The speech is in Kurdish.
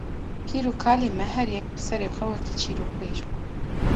pîr û kalên me her yek bi serê xwe wekî çîrokbêj bûn.